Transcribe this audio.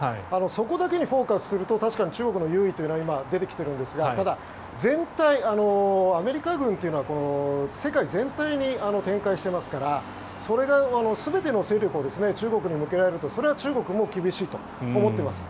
そこだけにフォーカスすると確かに中国が有利というのが今、出てきているんですがただ、アメリカ軍というのは世界全体に展開していますからそれが全ての勢力を中国に向けられるとそれは中国も厳しいと思っています。